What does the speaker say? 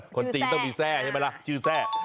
คนจีนต้องมีเส้อใช่ไหมล่ะชื่อเส้อ